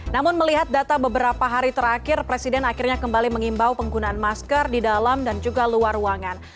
namun melihat data beberapa hari terakhir presiden akhirnya kembali mengimbau penggunaan masker di dalam dan juga luar ruangan